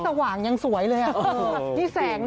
แต่ว่าคุณพ่อก็จะแคปมาให้ดูว่ากดไลค์แล้วนะ